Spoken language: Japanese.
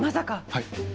はい。